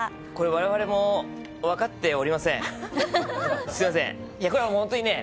これ我々も分かっておりません、すいません。